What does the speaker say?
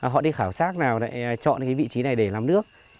họ đi khảo sát nào lại chọn cái vị trí này để làm nước